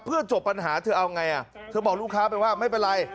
เพื่อจบปัญหาเธอเอาไงเธอบอกลูกค้าไปว่าไม่เป็นไร